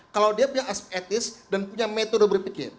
kalau dia punya aspek etis dan punya metode berpikir